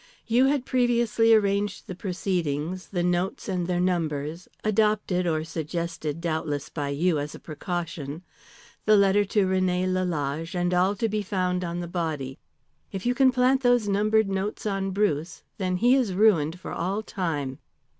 You had previously arranged the proceedings, the notes and their numbers adopted or suggested doubtless by you as a precaution the letter to René Lalage and all to be found on the body. If you can plant those numbered notes on Bruce, then he is ruined for all time.